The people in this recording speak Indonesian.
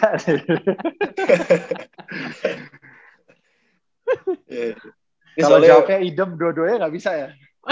kalau jawabnya idem dua duanya gak bisa ya